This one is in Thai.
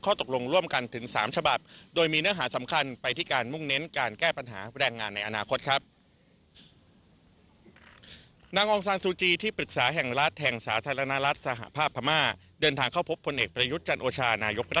ข้อตกลงร่วมกันถึงสามฉบับโดยมีเนื้อหาสำคัญ